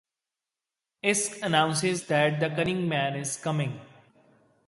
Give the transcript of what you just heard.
Esk announces that the Cunning Man is coming.